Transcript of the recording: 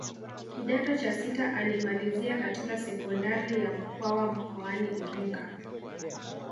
Kidato cha sita alimalizia katika sekondari ya Mkwawa mkoani Iringa